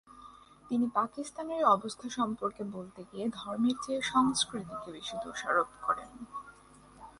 তিনি পাকিস্তানের অবস্থা সম্পর্কে বলতে গিয়ে ধর্মের চেয়ে সংস্কৃতিকে বেশি দোষারোপ করেন।